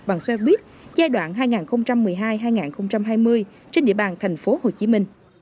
bằng xe buýt giai đoạn hai nghìn một mươi hai hai nghìn hai mươi trên địa bàn tp hcm